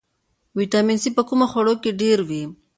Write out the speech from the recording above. ویټامین سي په کومو خوړو کې ډیر وي